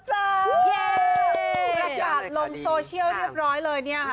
แสดงลงโซเชียลเรียบร้อยเลยเนี่ย